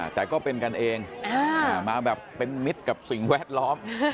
แต่ก็เป็นกันเองมาแบบเป็นมิตรกับสิ่งแวดล้อม